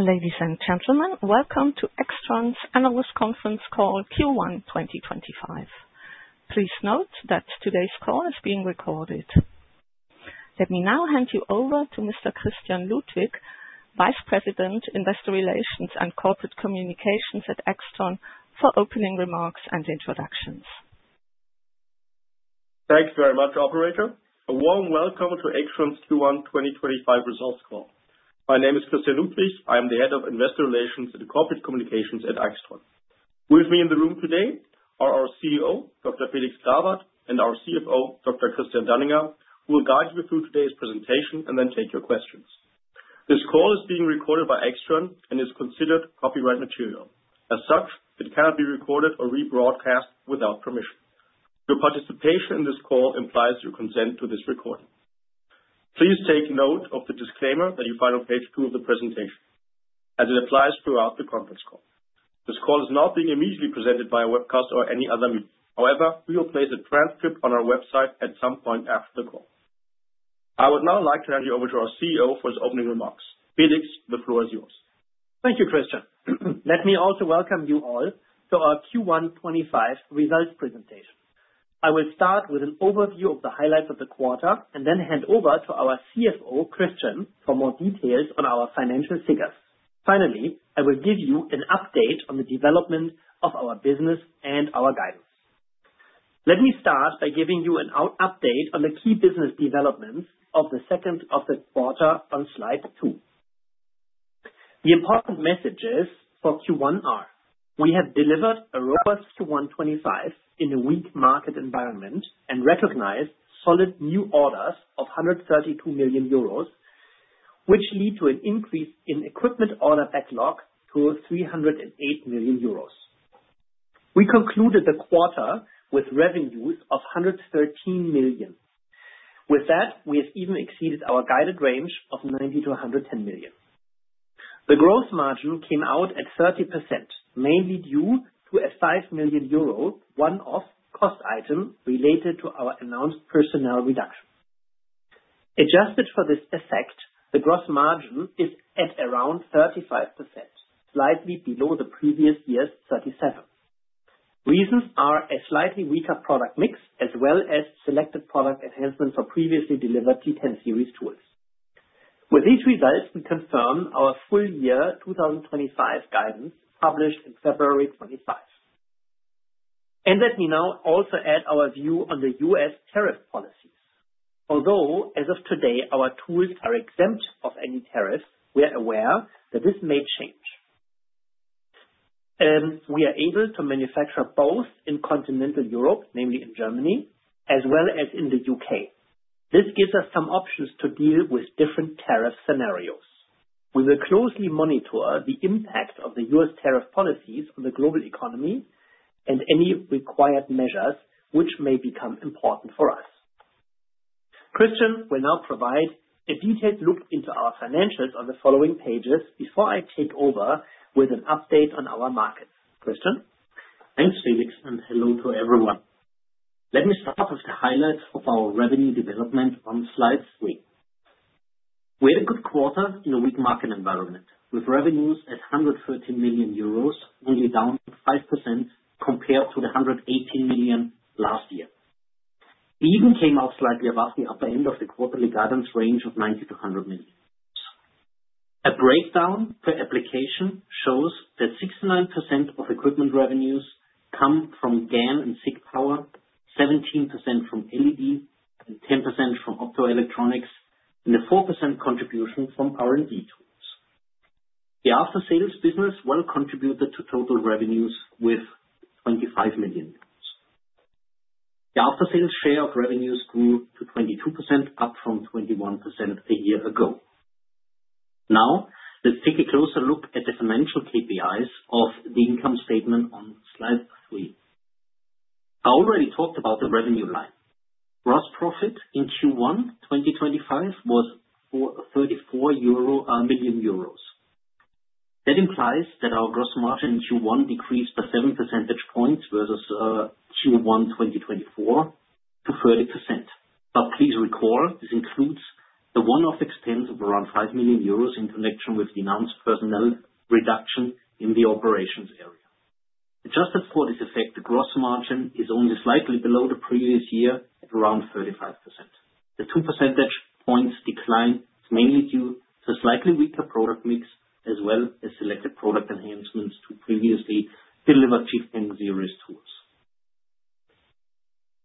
Ladies and gentlemen, welcome to AIXTRON's Analyst Conference Call Q1 2025. Please note that today's call is being recorded. Let me now hand you over to Mr. Christian Ludwig, Vice President, Investor Relations and Corporate Communications at AIXTRON, for opening remarks and introductions. Thank you very much, Operator. A warm welcome to AIXTRON's Q1 2025 results call. My name is Christian Ludwig. I am the Head of Investor Relations and Corporate Communications at AIXTRON. With me in the room today are our CEO, Dr. Felix Grawert, and our CFO, Dr. Christian Danninger, who will guide you through today's presentation and then take your questions. This call is being recorded by AIXTRON and is considered copyright material. As such, it cannot be recorded or rebroadcast without permission. Your participation in this call implies your consent to this recording. Please take note of the disclaimer that you find on page two of the presentation as it applies throughout the conference call. This call is not being immediately presented by a webcast or any other meeting. However, we will place a transcript on our website at some point after the call. I would now like to hand you over to our CEO for his opening remarks. Felix, the floor is yours. Thank you, Christian. Let me also welcome you all to our Q1 2025 results presentation. I will start with an overview of the highlights of the quarter and then hand over to our CFO Christian for more details on our financial figures. Finally, I will give you an update on the development of our business and our guidance. Let me start by giving you an update on the key business developments of the second of the quarter on slide 2. The important messages for Q1 are. We have delivered a robust Q1 2025 in a weak market environment and recognized solid new orders of 132 million euros, which lead to an increase in equipment order backlog to 308 million euros. We concluded the quarter with revenues of 113 million. With that, we have even exceeded our guided range of 90-110 million. The gross margin came out at 30%, mainly due to a 5 million euro one-off cost item related to our announced personnel reduction. Adjusted for this effect, the gross margin is at around 35%, slightly below the previous year's. The reasons are a slightly weaker product mix as well as selected product enhancements. For previously delivered G10 series tools. With these results, we confirm our full year 2025 guidance published in February 2025. Let me now also add our view on the U.S. tariff policies. Although as of today our tools are exempt of any tariffs, we are aware that this may change. We are able to manufacture both in Continental Europe, namely in Germany, as well as in the U.K. This gives us some options to deal with different tariff scenarios. We will closely monitor the impact of the U.S. tariff policies on the global economy and any required measures which may become important for us. Christian will now provide a detailed look into our financials on the following pages before I take over with an update on our markets. Thanks Felix and hello to everyone. Let me start with the highlights of our revenue development on Slide three. We had a good quarter in a weak market environment with revenues at 130 million euros, only down 5% compared to the 118 million last year. We even came out slightly above the upper end of the quarterly guidance range of 90 million-100 million. A breakdown per application shows that 69% of equipment revenues come from GaN and SiC power, 17% from LED, 10% from optoelectronics, and a 4% contribution from R&D tools. The after-sales business also contributed to total revenues with 25 million. The after-sales share of revenues grew to 22%, up from 21% a year ago. Now let's take a closer look at the financial KPIs of the income statement on slide three. I already talked about the revenue line. Gross profit in Q1 2025 was 34 million euro. That implies that our gross margin in Q1 decreased by 7 percentage points versus Q1 2024 to 30%. Please recall this includes the one-off expense of around 5 million euros in connection with the announced personnel reduction in the operations area. Adjusted for this effect, the gross margin is only slightly below the previous year at around 35%. The 2% points decline is mainly due to slightly weaker product mix as well as selected product enhancements to previously delivered G10 tools.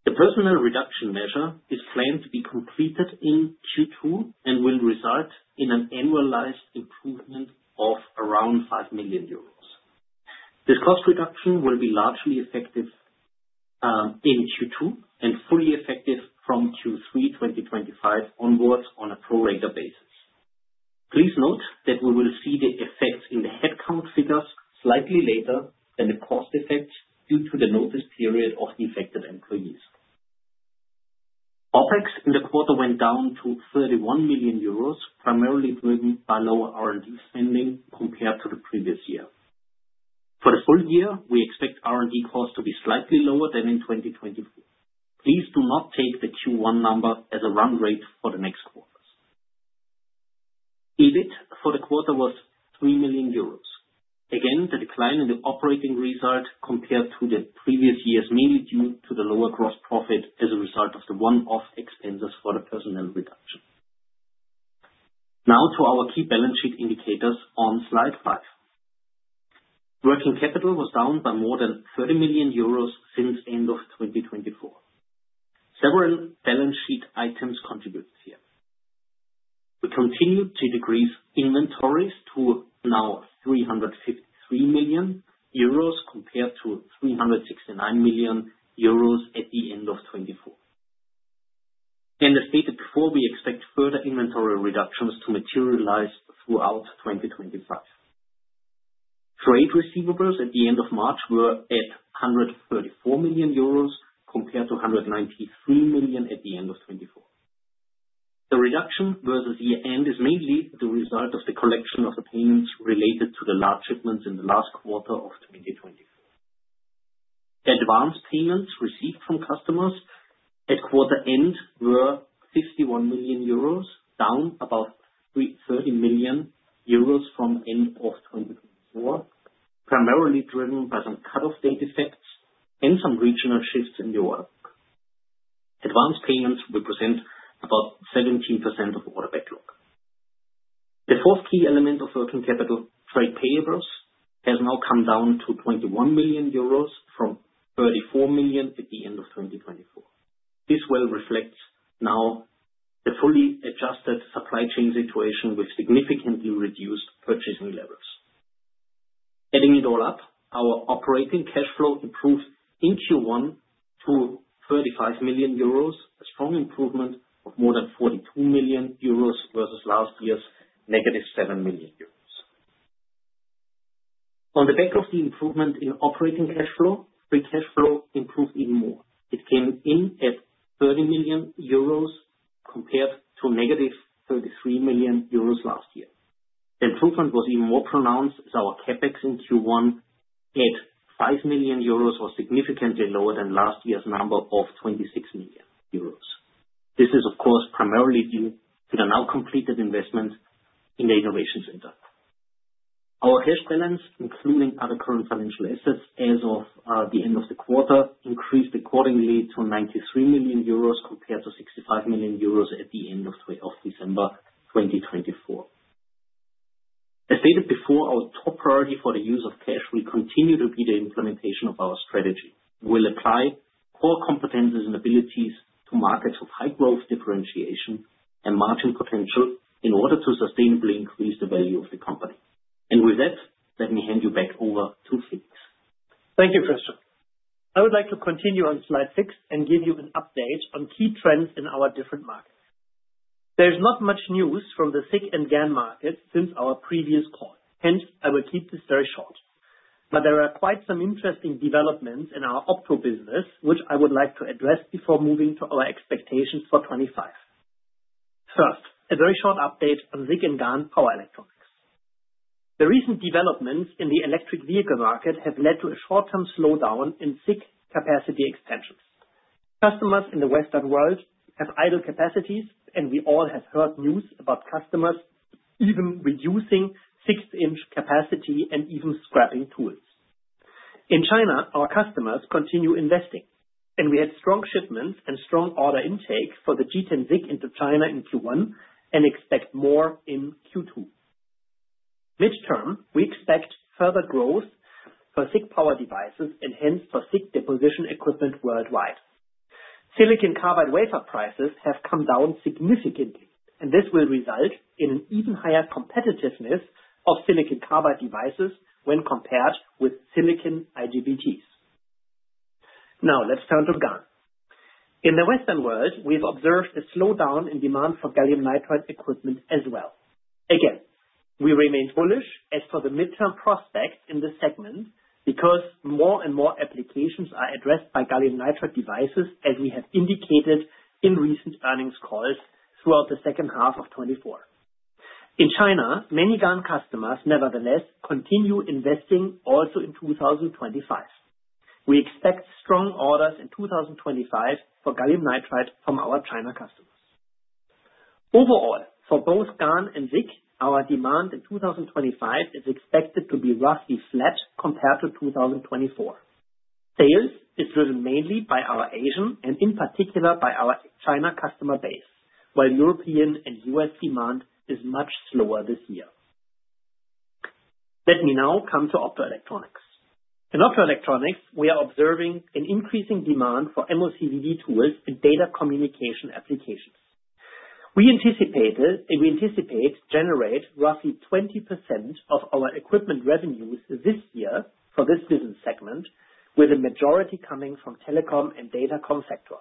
The personnel reduction measure is planned to be completed in Q2 and will result in an annualized improvement of around 5 million euros. This cost reduction will be largely effective in Q2 and fully effective from Q3 2025 onwards on a pro rata basis. Please note that we will see the effects in the headcount figures slightly later than the cost effects due to the notice period of affected employees. OpEx in the quarter went down to 31 million euros primarily driven by lower R&D spending compared to the previous year. For the full year we expect R&D cost to be slightly lower than in 2024. Please do not take the Q1 number as a run rate for the next quarters. EBIT for the quarter was 3 million euros. Again, the decline in the operating result compared to the previous year is mainly due to the lower gross profit as a result of the one-off expenses for the personnel reduction. Now to our key balance sheet indicators on slide 5. Working capital was down by more than 30 million euros since end of 2024. Several balance sheet items contributed here. We continue to decrease inventories to now 353 million euros compared to 369 million euros at the end of 2024. As stated before, we expect further inventory reductions to materialize throughout 2025. Freight receivables at the end of March were at 134 million euros compared to 193 million at the end of 2024. The reduction versus year end is mainly the result of the collection of the payments related to the large shipments. In the last quarter of 2024, advance payments received from customers at quarter end were 51 million euros, down about 30 million euros from end of 2024. Primarily driven by some cutoff date effects and some regional shifts in the order. Advance payments represent about 17% of order backlog. The fourth key element of working capital trade payables has now come down to 21 million euros from 34 million at the end of 2024. This well reflects now the fully adjusted supply chain situation with significantly reduced purchasing levels. Adding it all up, our operating cash flow improved in Q1 to 35 million euros, a strong improvement of more than 42 million euros versus last year's negative 7 million euros. On the back of the improvement in operating cash flow, free cash flow improved even more. It came in at 30 million euros compared to negative 33 million euros last year. The improvement was even more pronounced as our CapEx in Q1 at 5 million euros was significantly lower than last year's number of 26 million euros. This is of course primarily due to the now completed investment in the Innovation Center. Our cash balance, including other current financial assets as of the end of the quarter, increased accordingly to 93 million euros compared to 65 million euros at the end of December 2024. As stated before, our top priority for the use of cash will continue to be the implementation of our strategy. We will apply core competences and abilities to markets with high growth, differentiation and margin potential in order to sustainably increase the value of the company. With that, let me hand you back over to Felix. Thank you Christian. I would like to continue on slide 6 and give you an update on key trends in our different markets. There is not much news from the SiC and GaN markets since our previous call. Hence I will keep this very short, but there are quite some interesting developments in our Opto business which I would like to address before moving to our expectations for 2025. First, a very short update on SiC and GaN power electronics. The recent developments in the electric vehicle market have led to a short term slowdown in SiC capacity extensions. Customers in the western world have idle capacities and we all have heard news about customers even reducing 6 inch capacity and even scrapping tools in China. Our customers continue investing and we had strong shipments and strong order intake for the G10-SiC into China in Q1 and expect more in Q2. Mid term we expect further growth. Further SiC power devices and hence for SiC deposition equipment. Worldwide silicon carbide wafer prices have come down significantly and this will result in an even higher competitiveness of silicon carbide devices when compared with silicon IGBTs. Now let's turn to GaN. In the Western world we have observed a slowdown in demand for gallium nitride equipment as well. Again, we remain bullish as for the midterm prospects in this segment because more and more applications are addressed by gallium nitride devices. As we have indicated in recent earnings calls throughout the second half of 2024 in China, many GaN customers nevertheless continue investing. Also in 2025 we expect strong orders in 2025 for gallium nitride from our China customers. Overall, for both GaN and SiC, our demand in 2025 is expected to be roughly flat compared to 2024. Sales is driven mainly by our Asian and in particular by our China customer base, while European and U.S. demand is much slower this year. Let me now come to optoelectronics. In optoelectronics we are observing an increasing demand for MOCVD tools in data communication applications we anticipated, we anticipate generate roughly 20% of our equipment revenues this year for this business segment, with a majority coming from telecom and datacom sectors.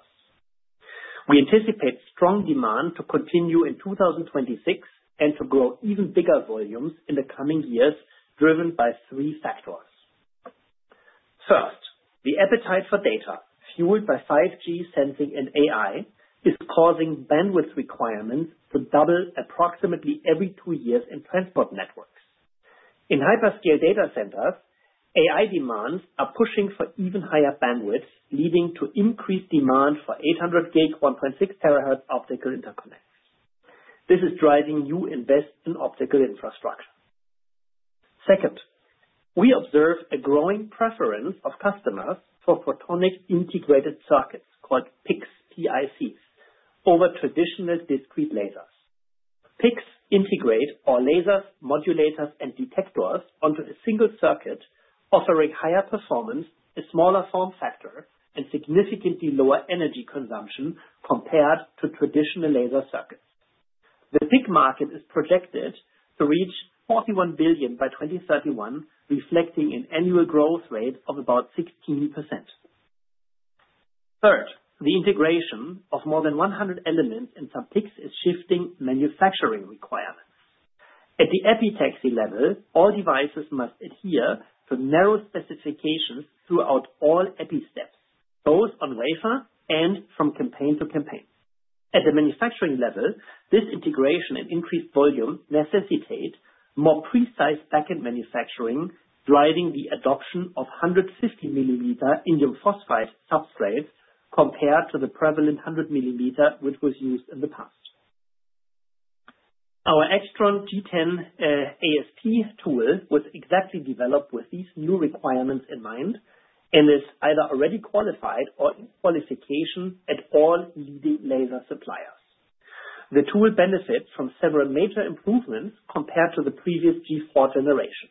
We anticipate strong demand to continue in 2026 and to grow even bigger volumes in the coming years driven by three factors. First, the appetite for data fueled by 5G sensing & AI is causing bandwidth requirements to double approximately every two years in transport networks. In hyperscale data centers, AI demands are pushing for even higher bandwidth, leading to increased demand for 800 GB 1.6 THz optical interconnects. This is driving new investment in optical infrastructure. Second, we observe a growing preference of customers for photonic integrated circuits called PICs over traditional discrete lasers. PICs integrate our lasers, modulators and detectors onto a single circuit, offering higher performance, a smaller form factor and significantly lower energy consumption compared to traditional laser circuits. The PIC market is projected to reach 41 billion by 2031, reflecting an annual growth rate of about 16%. Third, the integration of more than 100 elements in some PICs is shifting manufacturing requirements at the epitaxy level. All devices must adhere to narrow specifications throughout all epi steps both on wafer and from campaign to campaign. At the manufacturing level, this integration and increased volume necessitate more precise backend manufacturing, driving the adoption of 150 mm indium phosphide substrate compared to the prevalent 100 mm which was used in the past. Our AIXTRON G10-AsP tool was exactly developed with these new requirements in mind and is either already qualified or in qualification at all laser suppliers. The tool benefits from several major improvements. Compared to the previous G4 generation,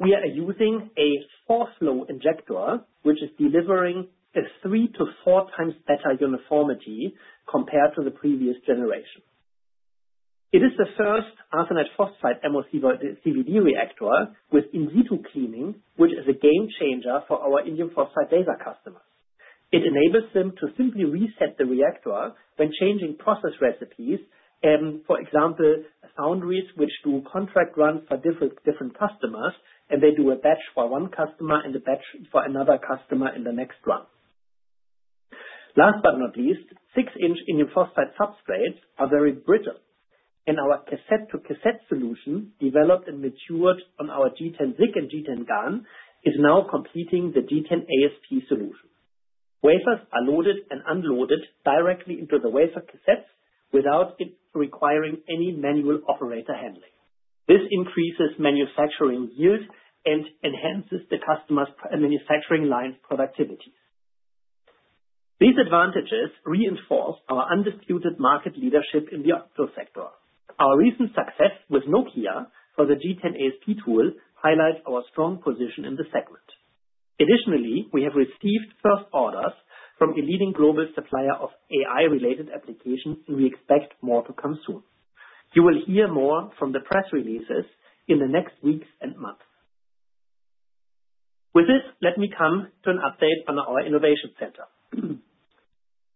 we are using a 4-flow injector which is delivering a three to four times better uniformity compared to the previous generation. It is the first arsenide phosphide MOCVD reactor with in situ cleaning, which is a game changer for our indium phosphide laser customers. It enables them to simply reset the reactor when changing process recipes. For example, foundries which do contract runs for different customers and they do a batch for one customer and a batch for another customer in the next run. Last but not least, 6 inch indium phosphide substrates are very brittle and our cassette to cassette solution developed and matured on our G10-SiC and G10-GaN is now completing the G10-AsP solution. Wafers are loaded and unloaded directly into the wafer cassettes without requiring any manual operator handling. This increases manufacturing yield and enhances the customer's manufacturing line's productivity. These advantages reinforce our undisputed market leadership in the opto sector. Our recent success with Nokia, the G10-AsP tool, highlights our strong position in the segment. Additionally, we have received first orders from a leading global supplier of AI related applications and we expect more to come soon. You will hear more from the press releases in the next weeks and months. With this, let me come to an update on our innovation center.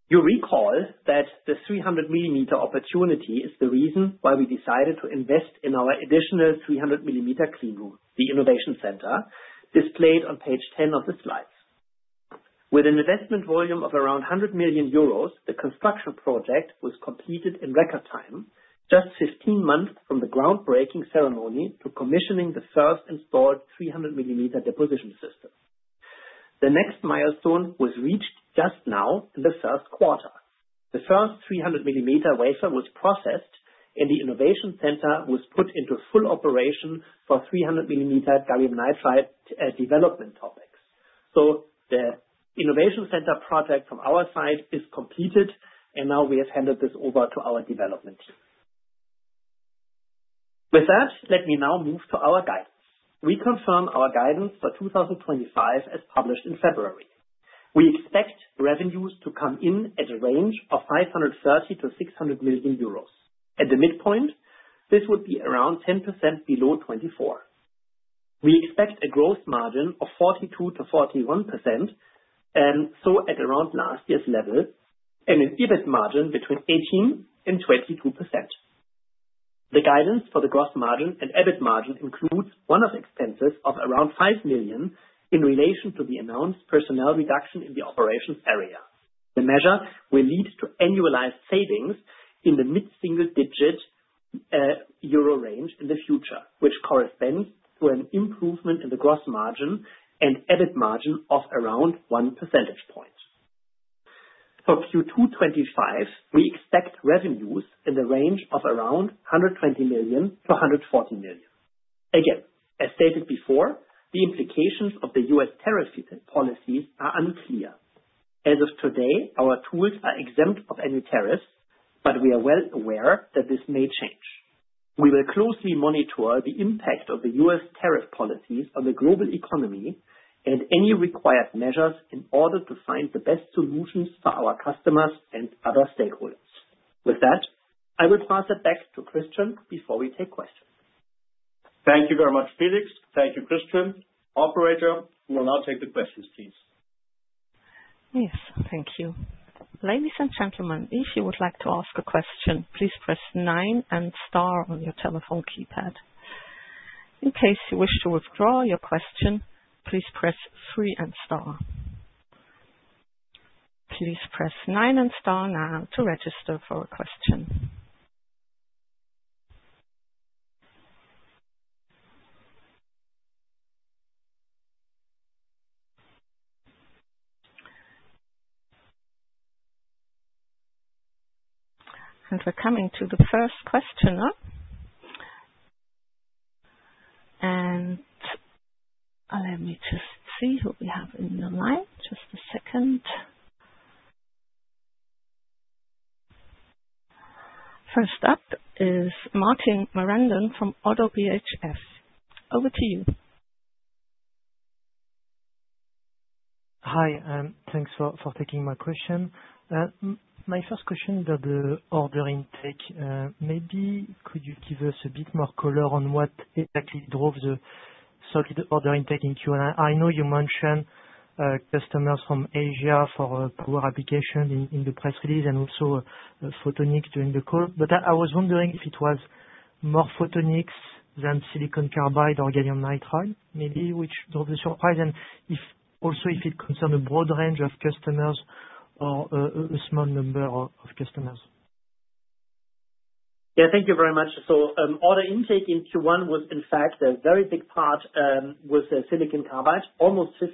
You recall that the 300 mm opportunity is the reason why we decided to invest in our additional 300 mm clean room, the innovation center displayed on page 10 of the slides. With an investment volume of around 100 million euros, the construction project was completed in record time, just 15 months from the groundbreaking ceremony to commissioning the first installed 300 mm deposition system. The next milestone was reached just now in the first quarter. The first 300 mm wafer was processed and the innovation center was put into full operation for 300 mm gallium nitride development topics. The innovation center project from our site is completed and now we have handed this over to our development team. With that, let me now move to our guidance. We confirm our guidance for 2025 as published in February. We expect revenues to come in at a range of 530 million-600 million euros. At the midpoint this would be around 10%. Below 2024, we expect a gross margin of 42%-41%. At around last year's level and an EBIT margin between 18% and 22%. The guidance for the gross margin and EBIT margin includes one-off expenses of around 5 million in relation to the announced personnel reduction in the operations area. The measure will lead to annualized savings in the mid-single-digit euro range in the future, which corresponds to an improvement in the gross margin and EBIT margin of around 1 percentage point. For Q2 2025, we expect revenues in the range of around 120 million-140 million. Again, as stated before, the implications of the U.S. tariff policies are unclear. As of today, our tools are exempt of any tariffs. We are well aware that this may change. We will closely monitor the impact of the U.S. tariff policies on the global economy and any required measures in order to find the best solutions for our customers and other stakeholders. With that, I will pass it back to Christian before we take questions. Thank you very much, Felix. Thank you, Christian. Operator, we will now take the questions please. Yes, thank you. Ladies and gentlemen, if you would like to ask a question, please press nine and star on your telephone keypad. In case you wish to withdraw your question, please press three and star. Please press nine and star now to register for a question. We are coming to the first questioner and allow me to see who we have on the line. Just a second. First up is Martin Marandon from ODDO BHF. Over to you. Hi. Thanks for taking my question. My first question about the order intake. Maybe could you give us a bit more color on what exactly drove the solid order intake in Q1? I know you mentioned customers from Asia for application in the press release and also photonics during the call, but I was wondering if it was more photonics than silicon carbide or gallium nitride maybe, which drove the surprise. Also if it concerned a broad range of customers or a small number of customers. Yeah, thank you very much. Order intake in Q1 was in fact a very big part with silicon carbide, almost 50%.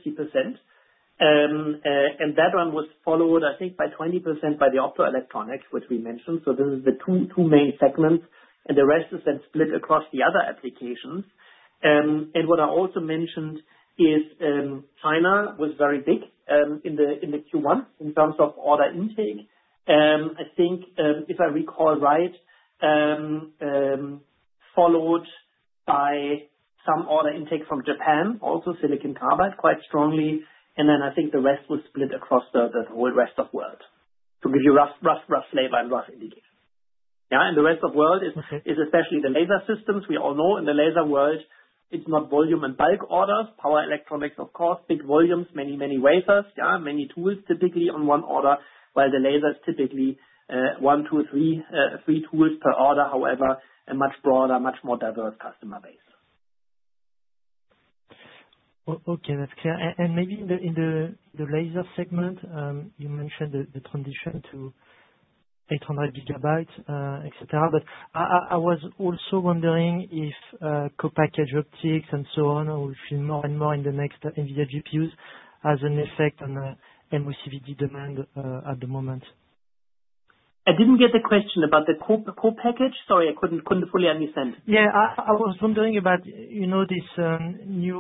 That one was followed, I think, by 20% by the optoelectronics which we mentioned. This is the two main segments and the rest is then split across the other applications. What I also mentioned is China was very big in Q1 in terms of order intake, I think, if I recall right, followed by some order intake from Japan, also silicon carbide quite strongly. I think the rest was split across the whole rest of world to give you rough flavor and rough indication. The rest of world is especially the laser systems. We all know in the laser world it's not volume and bulk orders, power electronics, of course, big volumes, many, many wafers, many tools, typically on one order, while the laser is typically one, two, three tools per order. However, a much broader, much more diverse customer base. Okay, that's clear. Maybe in the laser segment you mentioned the transition to 800 GB, et cetera. I was also wondering if co-package optics and so on more and more in the next Nvidia GPUs has an effect on MOCVD demand. At the moment I didn't get the. Question about the co-package. Sorry, I couldn't fully understand. Yes, I was wondering about, you know, this new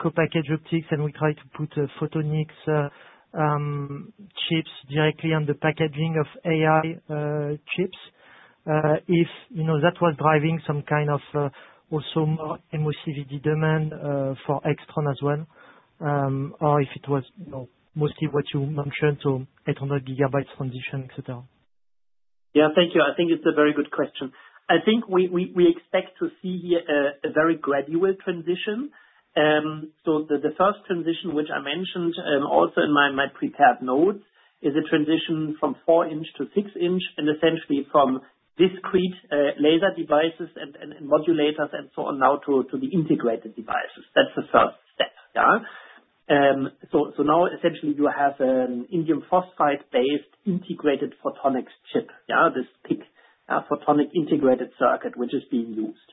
co-package optics and we tried to put photonics chips directly on the packaging of AI chips. If you know, that was driving some kind of also more MOCVD demand for AIXTRON as well, or if it was mostly what you mentioned. 800 GB transition, etc. Yeah, thank you. I think it's a very good question. I think we expect to see a very gradual transition. The first transition which I mentioned also in my prepared notes is a transition from 4 in to 6 in and essentially from discrete laser devices and modulators and so on now to the integrated devices. That's the first step. Now essentially you have an indium phosphide based integrated photonics chip, this PIC photonic integrated circuit which is being used.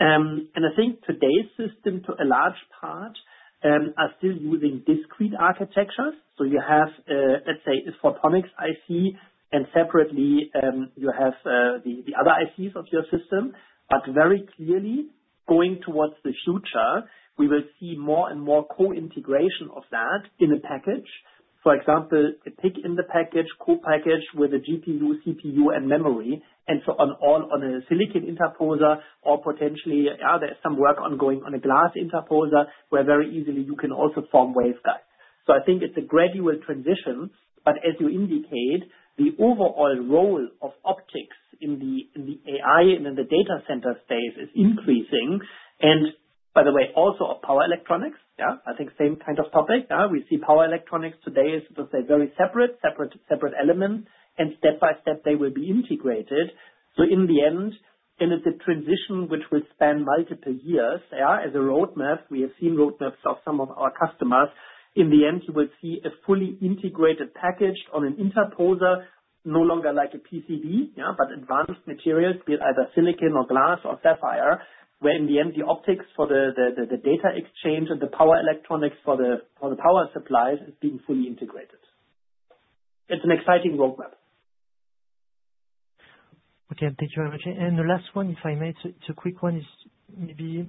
I think today's system to a large part are still using discrete architectures. You have, let's say, this photonics IC and separately you have the other ICs of your system. Very clearly going towards the future we will see more and more co-integration of that in a package. For example, a PIC in the package, co-package with a GPU, CPU and memory and so on. All on a silicon interposer or potentially there's some work ongoing on a glass interposer where very easily you can also form waveguides. I think it's a gradual transition. As you indicate, the overall role of optics in the AI and in the data center space is increasing. By the way, also power electronics, I think same kind of topic, we see power electronics today as a very separate, separate element and step by step they will be integrated. In the end, it's a transition which will span multiple years. As a roadmap, we have seen roadmaps of some of our customers. In the end you will see a fully integrated packaged or an interposer no longer like a PCB but advanced materials, be it either silicon or glass or sapphire, where in the end the optics for the data exchange and the power electronics for the power supplies is being fully integrated. It's an exciting roadmap. Okay, thank you very much. The last one, if I may, it's a quick one, is maybe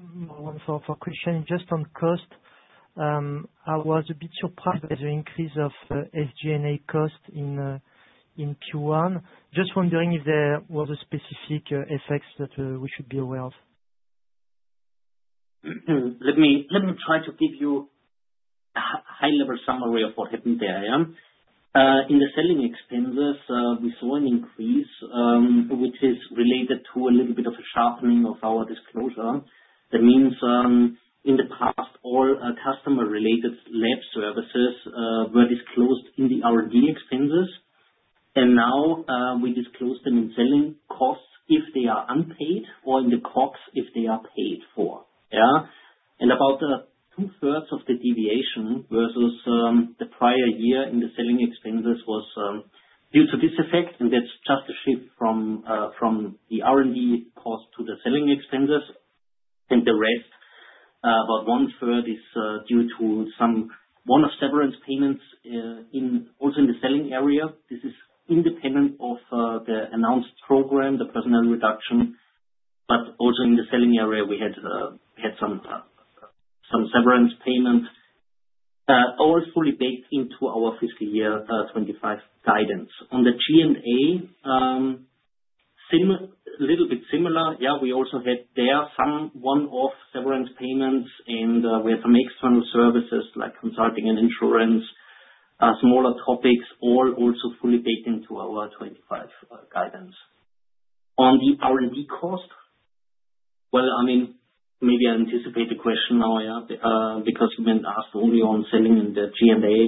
for Christian just on cost. I was a bit surprised by the increase of SG&A cost in Q1. Just wondering if there were the specific effects that we should be aware of. Let me try to give you a high level summary of what happened there. In the selling expenses we saw an increase which is related to a little bit of a sharpening of our disclosure. That means in the past all customer related lab services were disclosed in the R&D expenses and now we disclose them in selling costs if they are unpaid or in the COGS if they are paid for. About two-thirds of the deviation versus the prior year in the selling expenses was due to this effect. That is just a shift from the R&D cost to the selling expenses. The rest, about 1/3, is due to some one-off severance payments, also in the selling area. This is independent of the announced program, the personnel reduction. Also in the selling area we had some severance payment all fully baked into our fiscal year 2025 guidance. On the G&A, a little bit similar. Yeah, we also had there some one-off severance payments and we had some external services like consulting and insurance. Smaller topics. All also fully baked into our 2025 guidance. On the R&D cost, I mean maybe I anticipate the question now because you've been asked only on selling and the G&A.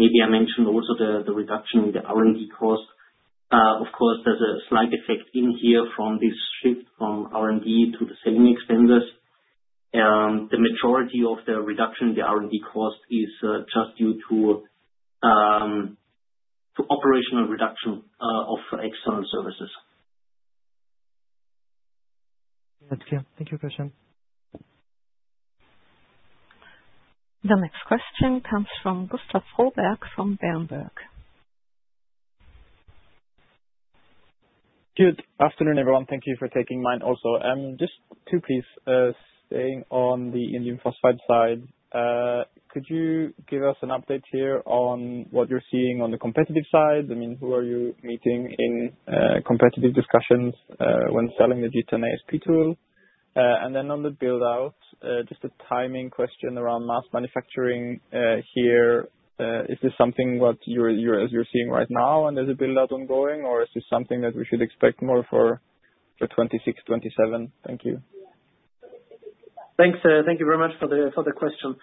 Maybe I mention also the reduction in the R&D cost. Of course, there's a slight effect in here from this shift from R&D to the semi expenditures. The majority of the reduction R&D cost is just due to operational reduction of external services. Thank you, Christian. The next question comes from Gustav Froberg from Berenberg. Good afternoon everyone. Thank you for taking mine also just too please. Staying on the indium phosphide side, could you give us an update here on what you're seeing on the competitive side? I mean, who are you meeting in competitive discussions when selling the G10-AsP tool and then on the build out? Just a timing question around mass manufacturing here. Is this something what you're seeing right now and there's a build out ongoing or is this something that we should expect more for 2026, 2027? Thank you. Thank you very much for the question.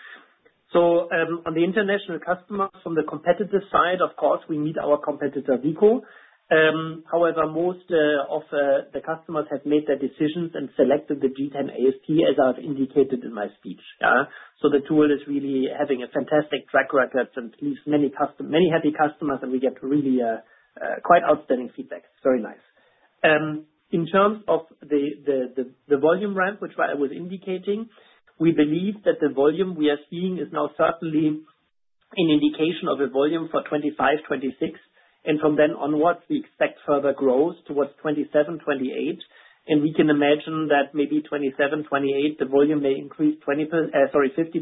On the international customers, from the competitive side, of course we meet our competitor Veeco. However, most of the customers have made their decisions and selected the G10-AsP as I have indicated in my speech. The tool is really having a fantastic track record and leaves many happy customers and we get really quite outstanding feedback. It is very nice. In terms of the volume ramp which I was indicating, we believe that the volume we are seeing is now certainly an indication of a volume for 2025, 2026 and from then onwards we expect further growth towards 2027-2028. We can imagine that maybe 2027-2028, the volume may increase 50%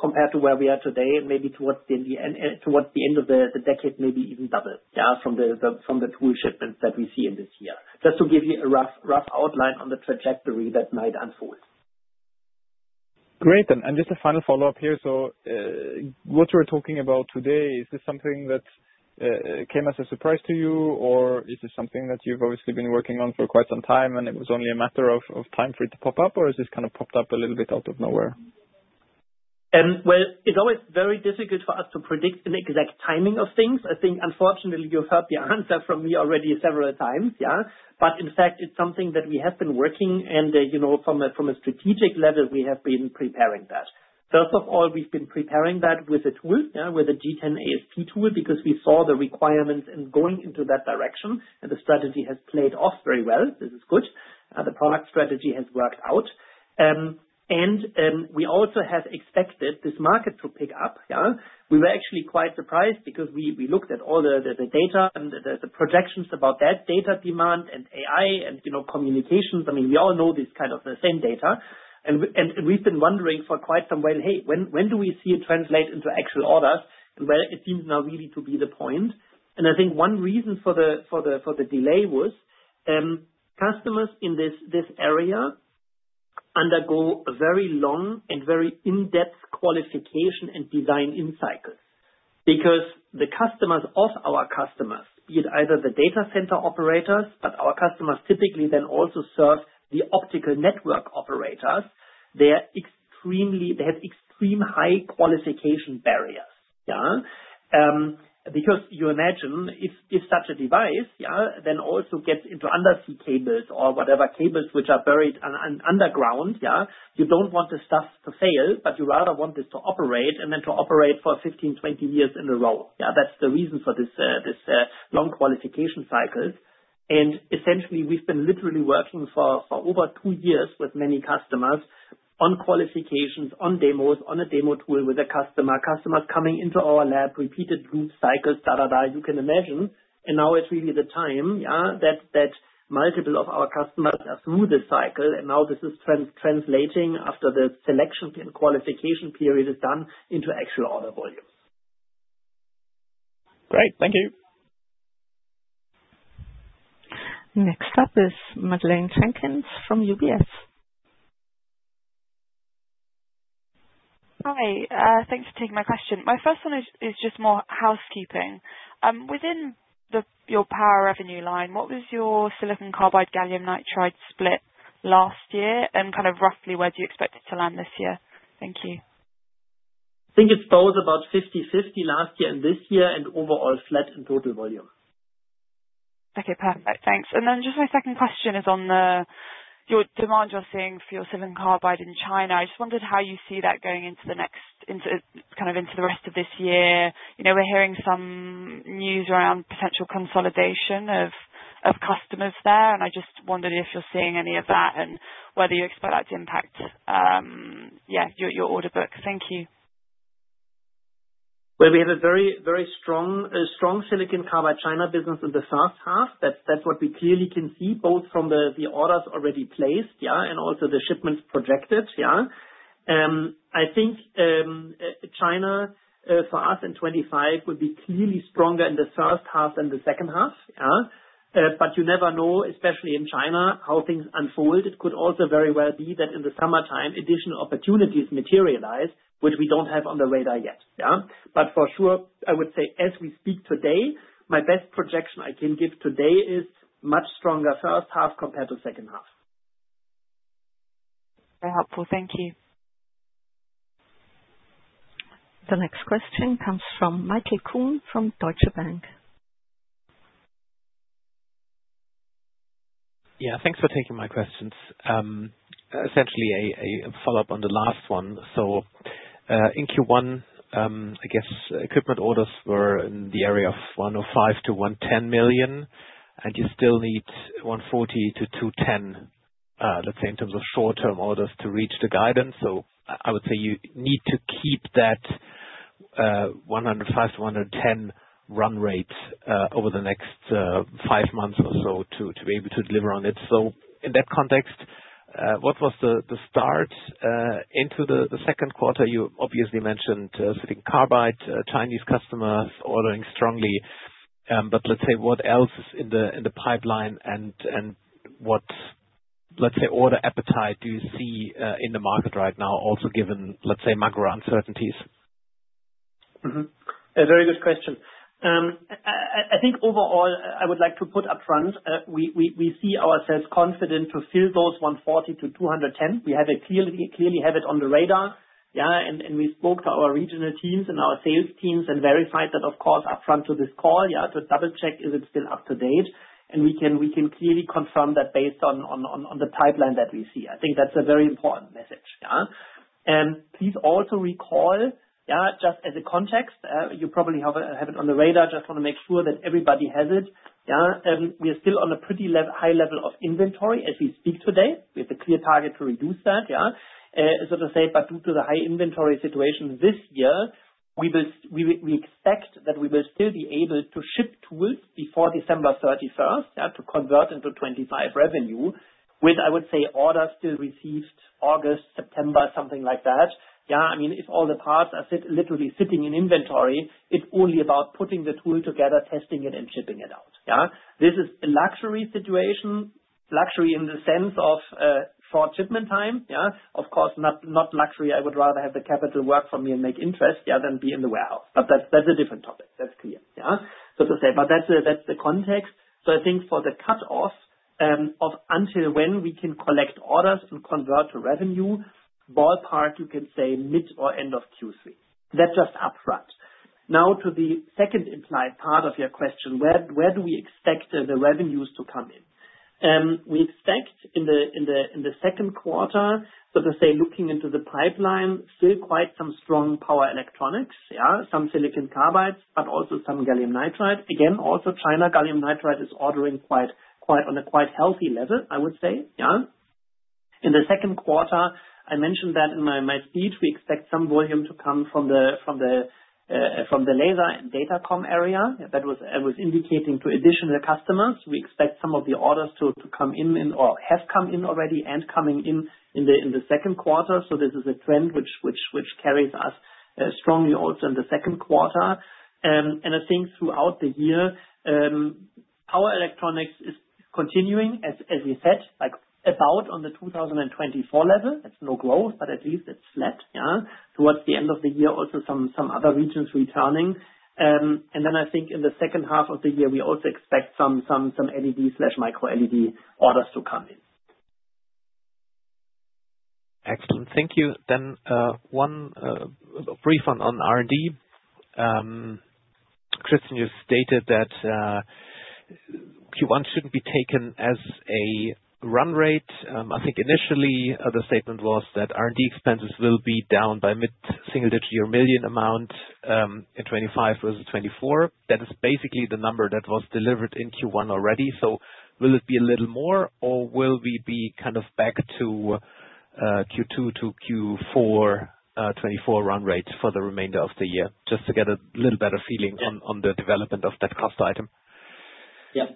compared to where we are today and maybe towards the end of the decade, maybe even double from the tool shipments that we. See in this year. Just to give you a rough outline on the trajectory that might unfold. Great. Just a final follow up here. What you're talking about today, is this something that came as a surprise to you or is this something that you've obviously been working on for quite some time and it was only a matter of time for it to pop up or has this kind of popped up a little bit out of nowhere? It is always very difficult for us to predict an exact timing of things. I think unfortunately you have heard the answer from me already several times. In fact, it is something that we have been working and, you know, from a strategic level we have been preparing that. First of all, we have been preparing that with a tool, with a G10-AsP tool because we saw the requirements in going into that direction. The strategy has played off very well. This is good. The product strategy has worked out and we also have expected this market to pick up. We were actually quite surprised because we looked at all the data and the projections about that data demand and AI and you know, communications, I mean we all know this kind of the same data and we've been wondering for quite some while, hey, when, when do we see it translate into actual orders? It seems now really to be the point. I think one reason for the delay was customers in this area undergo a very long and very in-depth qualification and design-in cycles. Because the customers of our customers, be it either the data center operators, but our customers typically then also serve the optical network operators, they are extremely, they have extreme high qualification barriers. Because you imagine if such a device then also gets into undersea cables or whatever cables which are buried underground, you do not want the stuff to fail, but you rather want this to operate and then to operate for 15, 20 years in a row. That is the reason for this long qualification cycle. Essentially, we have been literally working for over two years with many customers on qualifications, on demos, on a demo tool with a customer, customers coming into our lab, repeated loop cycles, da da, da, you can imagine. Now it is really the time that multiple of our customers are through the cycle. Now this is translating after the selection and qualification period is done into actual order volume. Great, thank you. Next up is Madeleine Jenkins from UBS. Thanks for taking my question. My first one is just more housekeeping within your power revenue line. What was your silicon carbide gallium nitride split last year and kind of roughly where do you expect it to land this year? Thank you. I think it's both about 50/50 last year and this year and overall flat in total volume. Okay, perfect, thanks. Just my second question is on your demand you're seeing for your silicon carbide in China. I just wondered how you see that going into the next, into kind of into the rest of this year. You know, we're hearing some news around potential consolidation of customers there and I just wondered if you're seeing any of that and whether you expect that to impact your order book. Thank you. We have a very, very strong, strong silicon carbide China business in the first half. That's what we clearly can from the orders already placed and also the shipments projected. I think China for us in 2025 would be clearly stronger in the first half than the second half. You never know, especially in China, how things unfold. It could also very well be that in the summertime additional opportunities materialize which we don't have on the radar yet. For sure I would say as we speak today, my best projection I can give today is much stronger first half compared to second half. Very helpful, thank you. The next question comes from Michael Kuhn from Deutsche Bank. Yeah, thanks for taking my questions. Essentially a follow up on the last one. In Q1 I guess equipment orders were in the area of 105 million-110 million and you still need 140 million-210 million, let's say in terms of short term orders to reach the guidance. I would say you need to keep that 105 million-110 million run rate over the next five months or so to be able to deliver on it. In that context, what was the start into the second quarter? You obviously mentioned silicon carbide Chinese customer ordering strongly. Let's say what else is in the pipeline and what, let's say, order appetite do you see in the market right now also given, let's say, macro uncertainties. A very good question. I think overall I would like to put up front. We see ourselves confident to fill those 140-210. We clearly have it on the radar and we spoke to our regional teams and our sales teams and verified that of course up front to this call to double check. Is it still up to date? We can clearly confirm that based on the pipeline that we see. I think that is a very important message. Please also recall just as a context, you probably have it on the radar. I just want to make sure that everybody has it. We are still on a pretty high level of inventory as we speak today. We have a clear target to reduce that. Yeah. So to say. Due to the high inventory situation this year, we expect that we will still be able to ship tools before December 31 to convert into 2025 revenue with, I would say, orders still received August, September, something like that. Yeah. I mean, if all the parts are literally sitting in inventory, it is only about putting the tool together, testing it, and shipping it out. This is a luxury situation. Luxury in the sense of short shipment time, of course, not luxury. I would rather have the capital work for me and make interest than be in the warehouse. That is a different topic. That is clear, but that is the context. I think for the cutoff of until when we can collect orders and convert to revenue, ballpark, you can say mid or end of Q3. That just upfront. Now to the second implied part of your question. Where do we expect the revenues to come in? We expect in the second quarter, so to say looking into the pipeline, still quite some strong power electronics, some silicon carbides, but also some gallium nitride again also China gallium nitride is ordering on a quite healthy level I would say in the second quarter. I mentioned that in my speech. We expect some volume to come from the from the laser and Datacom area that was I was indicating to additional customers. We expect some of the orders to come in or have come in already and coming in in the second quarter. This is a trend which carries us strongly also in the second quarter and I think throughout the year power electronics is continuing as we said like about on the 2024 level. It's no growth but at least it's towards the end of the year. Also some other regions returning and then I think in the second half of the year we also expect some LED and micro-LED orders to come in. Excellent, thank you. Then one brief one on R&D. Kristen, you stated that Q1 shouldn't be taken as a run rate. I think initially the statement was that R&D expenses will be down by mid single digit million EUR amount in 2025 versus 2024. That is basically the number that was delivered in Q1 already. Will it be a little more or will we be kind of back to Q2 to Q4 2024 run rate for the remainder of the year just to get a little better feeling on the development of that cost item. Yes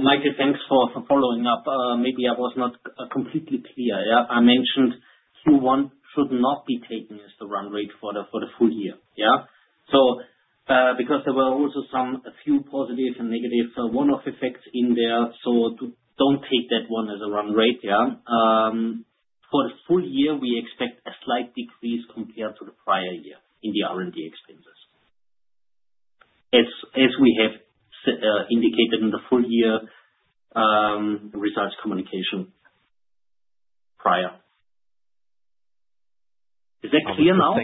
Michael, thanks for following up. Maybe I was not completely clear. I mentioned Q1 should not be taken as the run rate for the full year. Yes. There were also a few positive and negative one-off effects in there. Do not take that one as a run rate for the full year. We expect a slight decrease compared to the prior year in the R&D expense. As we have indicated in the full year results communication prior. Is that clear now?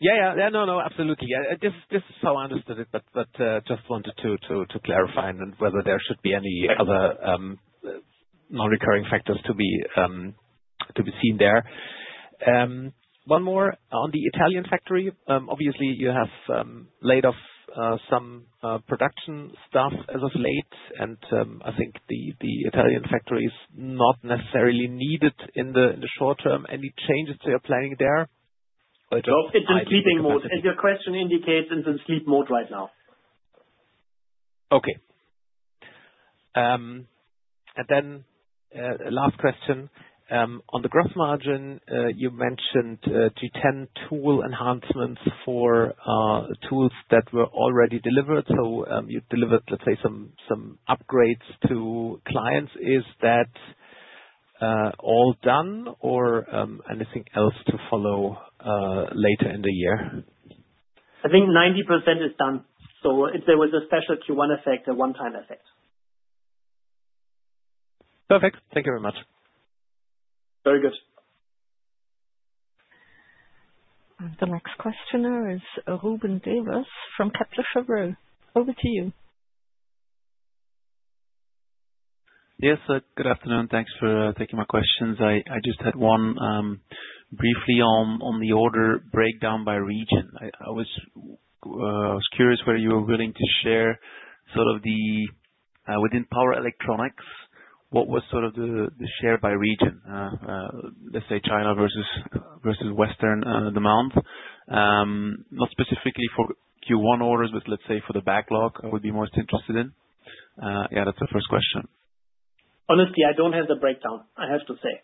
Yeah, yeah, no, no, absolutely. This is how I understood it but just wanted to clarify whether there should be any other non-recurring factors to be seen there. One more on the Italian factory. Obviously you have laid off some production staff as of late and I think the Italian factory is not necessarily needed in the short term. Any changes to your planning there? No, it's in sleeping mode as your question indicates it's in sleep mode right now. Okay. Last question on the gross margin, you mentioned G10 tool enhancements for tools that were already delivered. You delivered, let's say, some upgrades to clients. Is that all done or anything else to follow later in the year? I think 90% is done. There was a special Q1 effect, a one time effect. Perfect. Thank you very much. Very good. The next questioner is Ruben Devos from Kepler Cheuvreux, over to you. Yes, good afternoon. Thanks for taking my questions. I just had one briefly on the order breakdown by region. I was curious whether you were willing to share sort of the within power electronics. What was sort of the share by region? Let's say China versus Western demand. Not specifically for Q1 orders, but let's say for the backlog I would be most interested in. Yeah, that's the first question. Honestly, I don't have the breakdown. I have to say,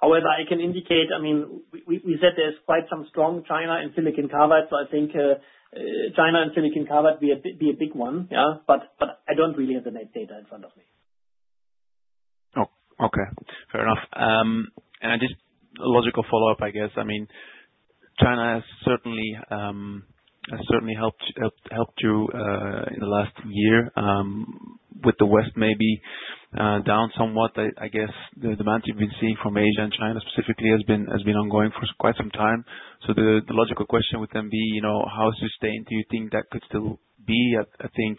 however I can indicate, I mean we said there's quite some strong China and silicon carbide. I think China and silicon carbide would be a big one. I don't really have the net data in front of me. Okay, fair enough. Just a logical follow up, I guess. I mean China has certainly helped you in the last year with the West maybe down somewhat. I guess the demands you've been seeing from Asia and China specifically has been ongoing for quite some time. The logical question would then be how sustained do you think that could still be? I think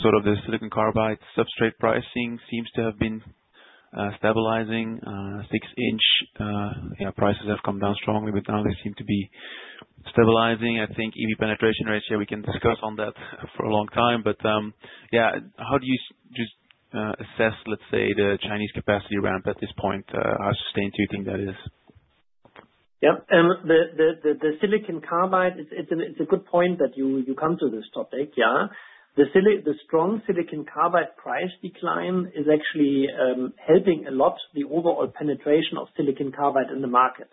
sort of the silicon carbide substrate pricing seems to have been stabilizing. Six in prices have come down strongly, but now they seem to be stabilizing. I think EV penetration rate, we can discuss on that for a long time. Yeah, how do you just assess, let's say the Chinese capacity ramp at this point. How sustained you think that is? Yes, the silicon carbide. It's a good point that you come to this topic. The strong silicon carbide price decline is actually helping a lot the overall penetration of silicon carbide in the market.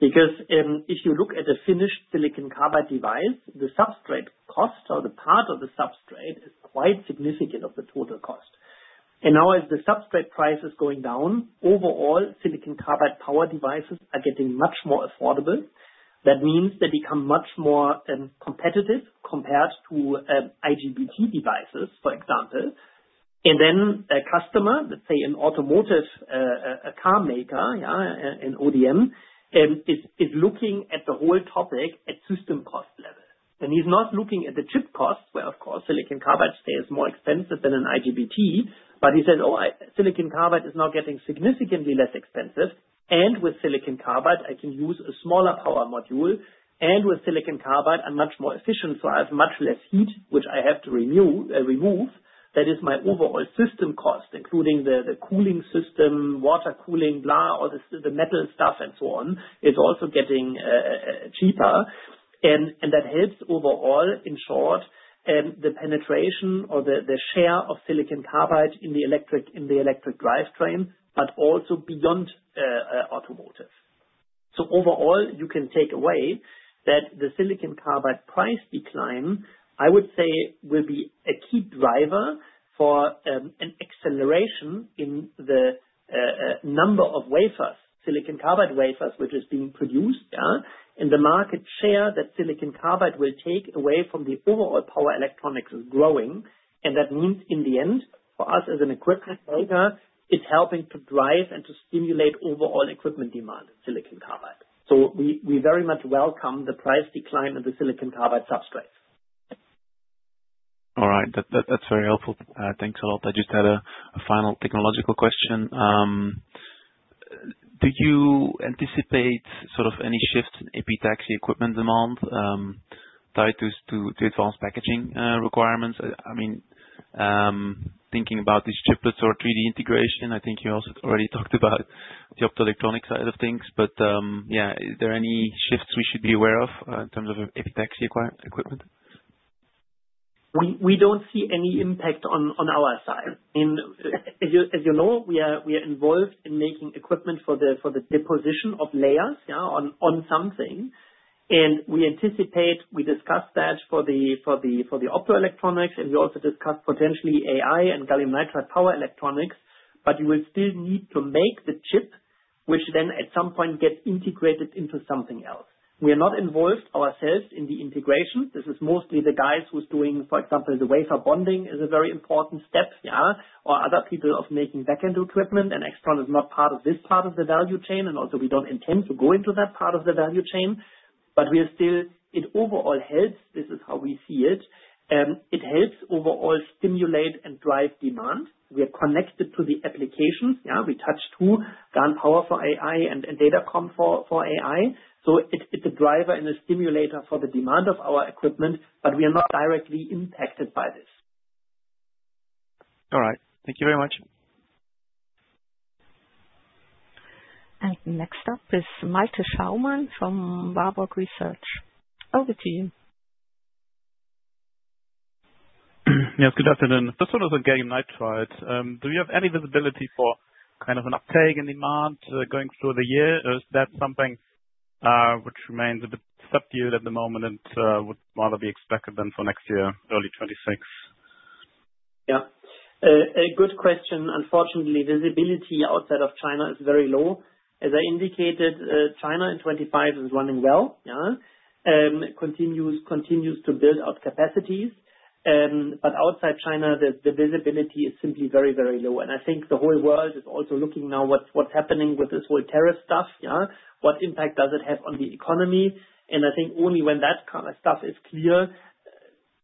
Because if you look at a finished silicon carbide device, the substrate cost or the part of the substrate is quite significant of the total cost. Now as the substrate price is going down, overall silicon carbide power devices are getting much more affordable. That means they become much more competitive compared to IGBT devices, for example. A customer, let's say an automotive car maker, an ODM, is looking at the whole topic at system cost level and he's not looking at the chip cost where of course silicon carbide stays more expensive than an IGBT. He said, oh, silicon carbide is now getting significantly less expensive. With silicon carbide I can use a smaller power module and with silicon carbide I'm much more efficient, so I have much less heat which I have to remove. That is my overall system cost, including the cooling system, water cooling, all the metal stuff and so on. It's also getting cheaper and that helps overall. In short, the penetration or the share of silicon carbide in the electric drivetrain, but also beyond optomotive. Overall, you can take away that the silicon carbide price decline, I would say, will be a key driver for an acceleration in the number of wafers. Silicon carbide wafers, which is being produced and the market share that silicon carbide will take away from the overall power electronics, is growing. That means in the end, for us as an equipment maker, it's helping to drive and to stimulate overall equipment demand in silicon carbide. We very much welcome the price decline of the silicon carbide substrate. All right, that's very helpful. Thanks a lot. I just had a final technological question. Do you anticipate sort of any shift in epitaxy equipment demand tied to advanced packaging requirements? I mean, thinking about these chiplets or 3D integration? I think you also already talked about the optoelectronics side of things, but yeah. Are there any shifts we should be aware of in terms of epitaxy equipment? We do not see any impact on our side. As you know, we are involved in making equipment for the deposition of layers on something. We anticipate. We discussed that for the optoelectronics. We also discussed potentially AI and gallium nitride power electronics. You will still need to make the chip which then at some point gets integrated into something else. We are not involved ourselves in the integration. This is mostly the guys who are doing, for example, the wafer bonding, which is a very important step, or other people making back-end equipment. AIXTRON is not part of this part of the value chain. We do not intend to go into that part of the value chain. It overall helps. This is how we see it helps overall stimulate and drive demand. We are connected to the applications we touch, two GaN power for AI and Datacom for AI. It is a driver and a stimulator for the demand of our equipment, but we are not directly impacted by this. All right, thank you very much. Next up is Malte Schaumann from Warburg Research, over to you. Yes, good afternoon. This one is on gallium nitride. Do you have any visibility for kind of an uptake in demand going through the year or is that something which remains a bit subdued at the moment and would rather be expected then for next year early 2026. Yeah, a good question. Unfortunately, visibility outside of China is very low. As I indicated, China in 2025 is running well, continues to build out capacities. Outside China the visibility is simply very, very low. I think the whole world is also looking now, what's happening with this whole tariff stuff? What impact does it have on the economy? I think only when that kind of stuff is clear,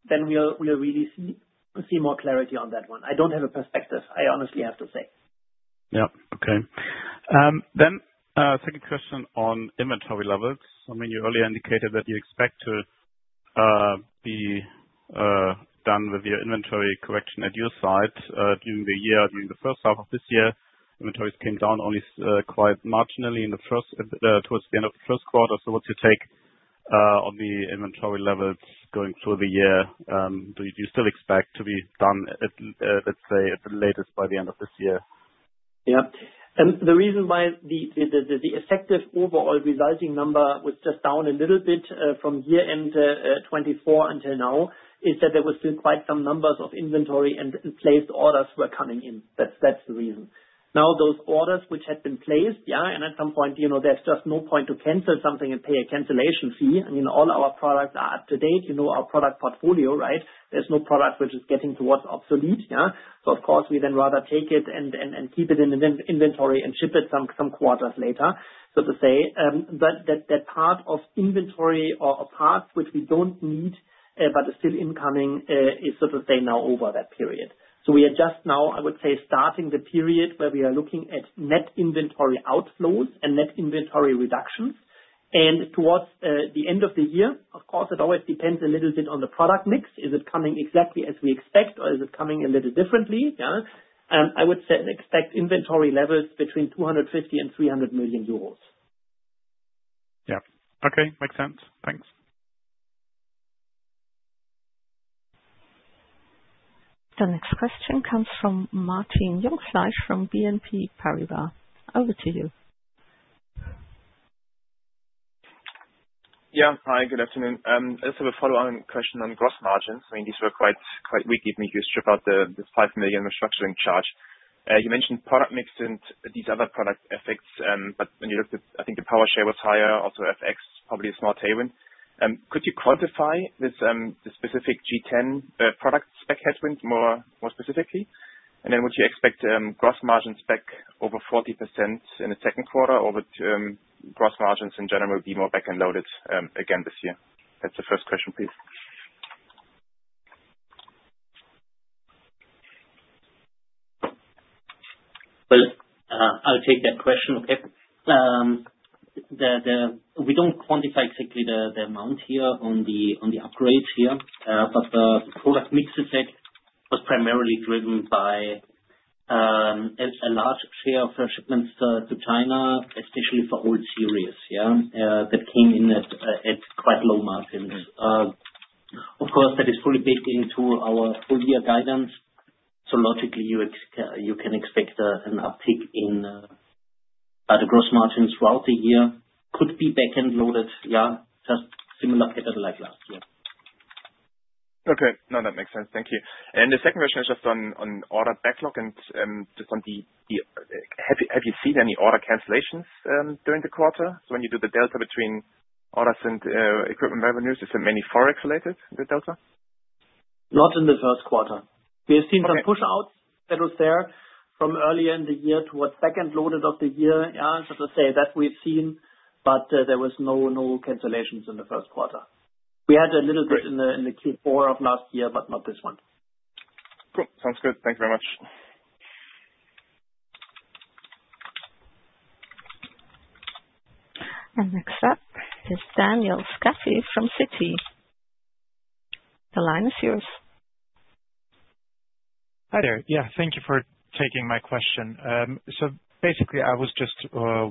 then we'll really see more clarity on that one. I don't have a perspective, I honestly have to say. Yeah. Okay then. Second question on inventory levels. I mean, you earlier indicated that you expect to be done with your inventory correction at your side during the year. During the first half of this year, inventories came down only quite marginally in the first towards the end of the first quarter. What's your take on the inventory levels going through the year? Do you still expect to be done, let's say at the latest, by the end of this year? Yes. The reason why the effective overall resulting number was just down a little bit from year end 2024 until now is that there was still quite some numbers of inventory and placed orders were coming in. That's the reason. Now those orders which had been placed and at some point there's just no point to cancel something and pay a cancellation fee. I mean, all our products are up to date, you know, our product portfolio. Right. There's no product which is getting towards obsolete. Of course we then rather take it and keep it in an inventory and ship it some quarters later. To say that that part of inventory or parts which we don't need but is still incoming is now over that period. We are just now, I would say, starting the period where we are looking at net inventory outflows and net inventory reductions, and towards the end of the year, of course, it always depends a little bit on the product mix. Is it coming exactly as we expect or is it coming a little differently? I would expect inventory levels between 250 million and 300 million euros. Yeah. Okay, makes sense. Thanks. The next question comes from Martin Jungfleisch from BNP Paribas, over to you. Yes, hi, good afternoon. Just a follow on question on gross margins. I mean these were quite weak. Even if you strip out the 5 million restructuring charge you mentioned product mix and these other product effects. When you look at, I think the power share was higher, also FX, probably a small tailwind. Could you quantify this specific G10 product spec headwind more specifically? Would you expect gross margins back over 40% in the second quarter? Would gross margins in general be more back end loaded again this year? That's the first question please. I'll take that question. Okay. We don't quantify exactly the amount here on the upgrades here, but the product mix effect was primarily driven by. A Large share of shipments to China, especially for old series that came in at quite low margins. Of course that is fully baked into our full year guidance. Logically you can expect an uptick in the gross margins throughout the year. Could be back end loaded. Yeah, just similar pattern like last year. Okay. No, that makes sense, thank you. The second question is just on order backlog and just on the have you seen any order cancellations during the quarter? When you do the delta between orders and equipment revenues, is there many forex related delta? Not in the first quarter. We have seen some push outs that was there from earlier in the year towards second loaded of the year as I say that we've seen. There was no cancellations in the first quarter. We had a little bit in the Q4 of last year, but not this one. Cool, sounds good. Thank you very much. Next up is Daniel Schafei from Citi. The line is yours. Hi there. Yes, thank you for taking my question. I was just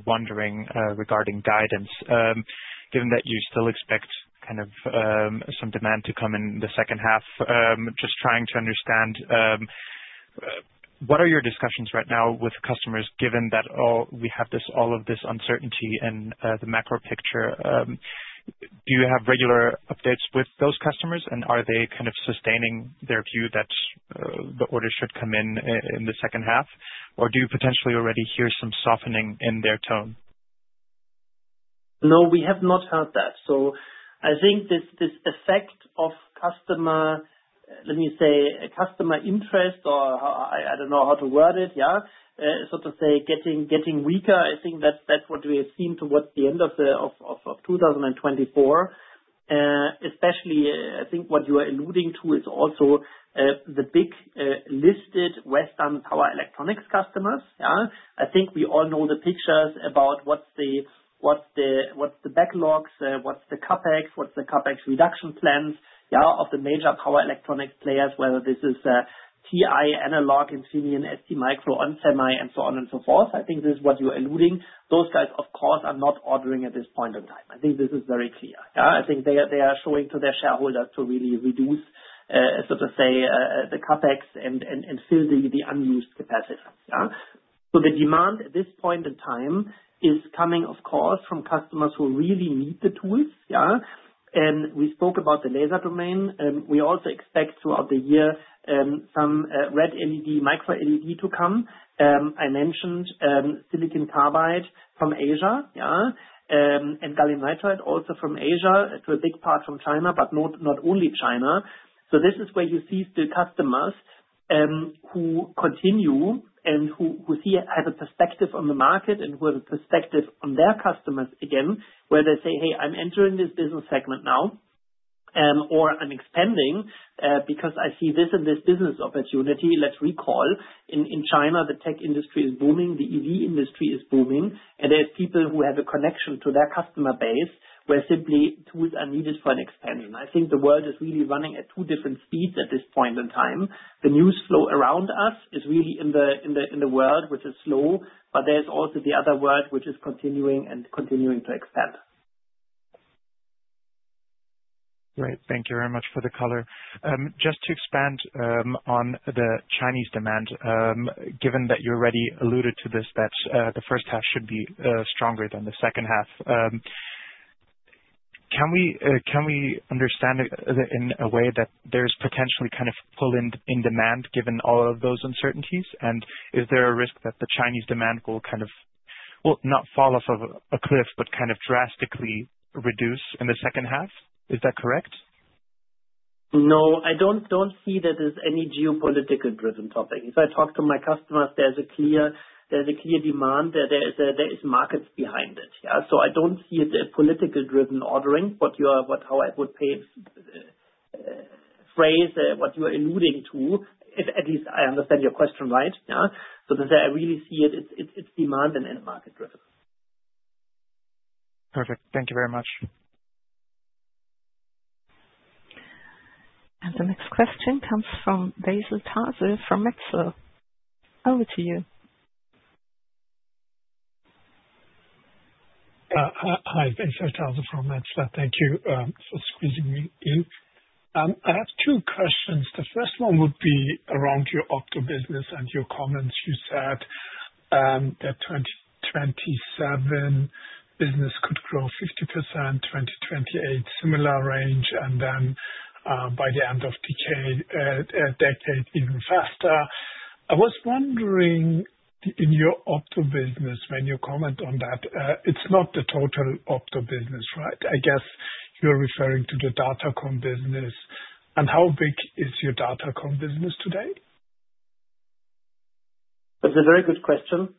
wondering regarding guidance, given that you still expect kind of some demand to come in the second half. Just trying to understand. What are your discussions right now with customers given that we have all of this uncertainty and the macro picture? Do you have regular updates with those customers and are they kind of sustaining their view that the order should come in in the second half or do you potentially already hear some softening in their tone? No, we have not heard that. I think this effect of customer, let me say customer interest or I do not know how to word it. Yeah, to say getting, getting weaker. I think that is what we have seen towards the end of 2024 especially. I think what you are alluding to is also the big listed western power electronics customers. I think we all know the pictures about what is the backlog, what is the CapEx, what is the CapEx reduction plans of the major power electronics players. Whether this is TI, Analog, Infineon, STMicro, ON Semi and so on and so forth. I think this is what you are alluding. Those guys of course are not ordering at this point in time. I think this is very clear. I think they are showing to their shareholders to really reduce, so to say, the CapEx and fill the unused capacity. The demand at this point in time is coming, of course, from customers who really need the tools. We spoke about the laser domain. We also expect throughout the year some red LED, micro-LED to come. I mentioned silicon carbide from Asia and gallium nitride also from Asia, to a big part from China, but not only China. This is where you see the customers who continue and who have a perspective on the market and who have a perspective on their customers. Again, where they say, hey, I'm entering this business segment now or I'm expanding because I see this in this business opportunity. Let's recall, in China the tech industry is booming, the EV industry is booming and there's people who have a connection to their customer base where simply tools are needed for an expansion. I think the world is really running at two different speeds at this point in time. The news flow around us is really in the world which is slow, but there's also the other world which is continuing and continuing to expand. Great. Thank you very much for the color. Just to expand on the Chinese demand, given that you already alluded to this, that the first half should be stronger than the second half, can we understand in a way that there's potentially kind of pull in demand given all of those uncertainties? Is there a risk that the Chinese demand will kind of not fall off of a cliff but kind of drastically reduce in the second half? Is that correct? No, I don't see that as any geopolitical driven topic. If I talk to my customers, there's a clear, clear. There's a clear demand, there is markets behind it. I don't see it a political driven ordering, but how I would pay phrase what you are alluding to. At least I understand your question. Right. I really see it. It's demand and market driven. Perfect, thank you very much. The next question comes from Veysel Taze from Metzler. Over to you. Hi [this is Taze] from Metzler. Thank you for squeezing me in. I have two questions. The first one would be around your Opto business and your comments. You said that 2027 business could grow 50%, 2028 similar range and then by the end of the decade, even faster. I was wondering in your Opto business, when you comment on that, it's not the total Opto business, right? I guess you're referring to the Datacom business. And how big is your Datacom business today? That's a very good question.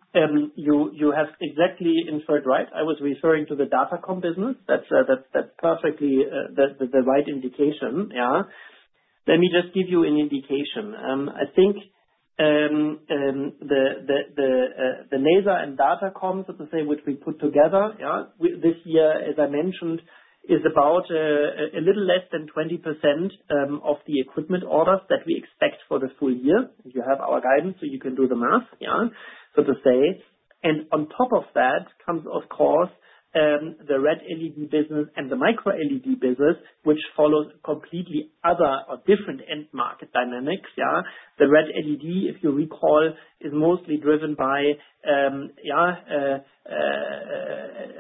You have exactly inferred. Right? I was referring to the Datacom business. That's perfectly the right indication. Let me just give you an indication. I think the laser and Datacom, which we put together this year, as I mentioned, is about a little less than 20% of the equipment orders that we expect for the full year. You have our guidance so you can do the math, so to say. On top of that comes, of course, the red LED business and the micro-LED business, which follows completely other or different end market dynamics. The red LED, if you recall, is mostly driven by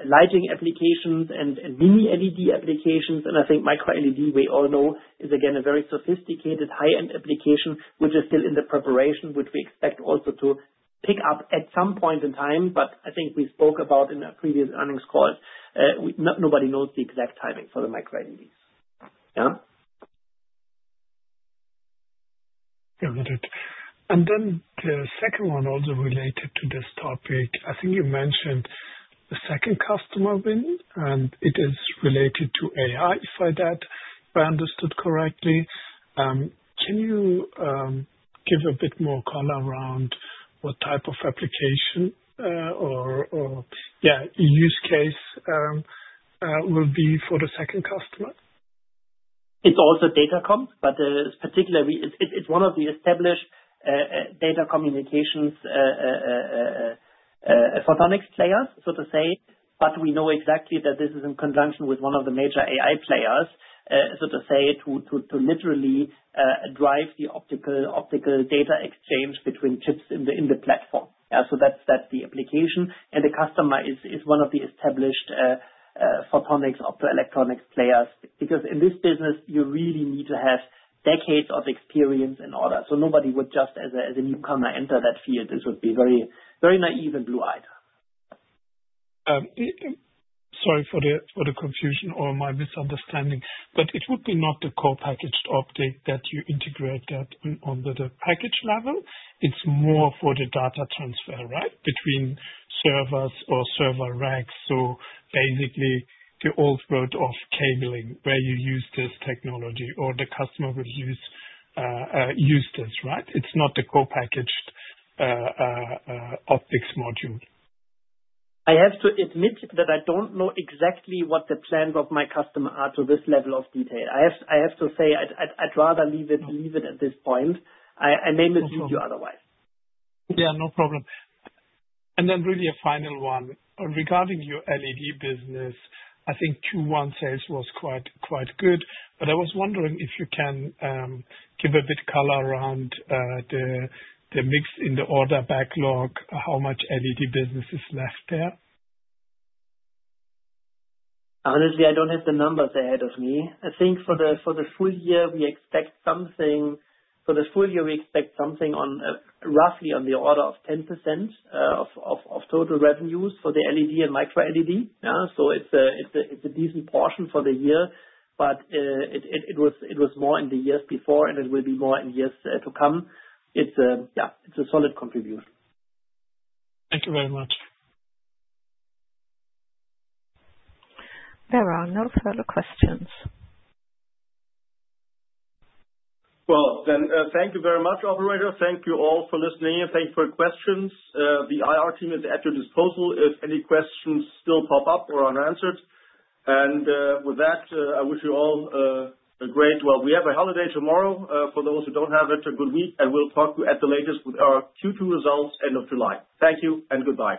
lighting applications and mini LED applications. I think micro-LED, we all know, is again a very sophisticated high-end application, which is still in the preparation, which we expect also to pick up at some point in time.I think we spoke about in our previous earnings calls, nobody knows the exact timing for the micro-LEDs. Got it. Then the second one, also related to this topic, I think you mentioned the second customer win and it is related to AI for that, if I understood correct. Can you give a bit more color around what type of application or use case will be for the second customer? It's also datacom, but particularly it's one of the established data communications photonics players, so to say. We know exactly that this is in conjunction with one of the major AI players, so to say, to literally drive the optical data exchange between chips in the platform. That's the application and the customer is one of the established photonics optoelectronics players. Because in this business you really need to have decades of experience in order. Nobody would just as a newcomer enter that field. This would be very naive and blue eyed. Sorry for the confusion or my misunderstanding, but it would be not the co-packaged optic that you integrate that on the package level. It's more for the data transfer, right? Between servers or server racks. Basically, the old world of cabling where you use this technology or the customer will use this, right? It's not the co-package optics module. I have to admit that I don't know exactly what the plans of my customer are to this level of detail. I have to say I'd rather leave it at this point. I may mislead you otherwise. Yeah, no problem. Really a final one regarding your LED business. I think Q1 sales was quite, quite good. I was wondering if you can give a bit color around the mix in the order backlog. How much LED business is left there? Honestly, I don't have the numbers ahead of me. I think for the full year we expect something. For the full year we expect something roughly on the order of 10% of total revenues for the LED and micro-LED. It is a decent portion for the year, but it was more in the years before and it will be more in years to come. It is a solid contribution. Thank you very much. There are no further questions. Thank you very much, operator. Thank you all for listening. Thank you for your questions. The IR team is at your disposal if any questions still pop up or are unanswered. With that, I wish you all a great, well, we have a holiday tomorrow. For those who do not, have such a good week, and we will talk to you at the latest with our Q2 results, end of July. Thank you and goodbye.